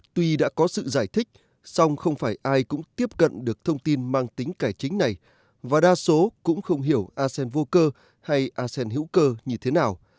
tuy đã có sự giải thích song không phải ai cũng tiếp cận được thông tin mang tính cải chính này và đa số cũng không hiểu asean vô cơ hay asean hữu cơ như thế nào